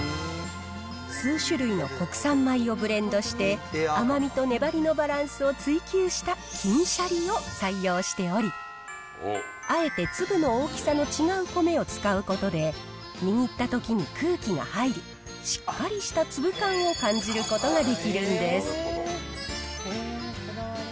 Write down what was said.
数種類の国産米をブレンドして、甘みと粘りのバランスを追求した金しゃりを採用しており、あえて粒の大きさの違う米を使うことで、握ったときに空気が入り、しっかりした粒感を感じることができるんです。